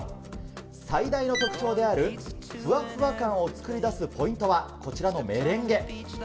最大の特徴であるふわっふわ感を作り出すポイントは、こちらのメレンゲ。